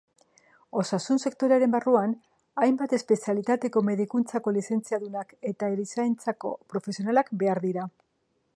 Osasun-sektorearen barruan, hainbat espezialitatetako medikuntzako lizentziadunak eta erizaintzako profesionalak behar dira.